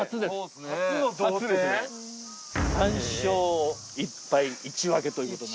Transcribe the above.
３勝１敗１分けということに。